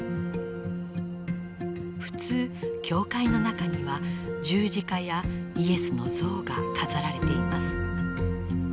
普通教会の中には十字架やイエスの像が飾られています。